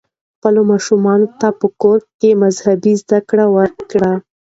خپلو ماشومانو ته په کور کې مذهبي زده کړې ورکړئ.